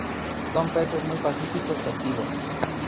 Son peces muy pacíficos y activos.